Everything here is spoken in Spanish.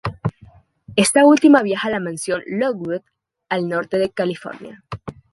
Esta última viaja a la mansión de Lockwood, al norte de California.